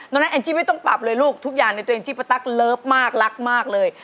นอกนั้นแอนจิไม่ต้องปรับเลยลูกทุกอย่างในตัวแอนจิปะตั๊กเลิฟมากรักมากเลย